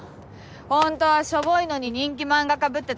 本当はしょぼいのに人気漫画家ぶってた事。